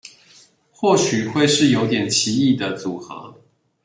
或許會是有點奇異的組合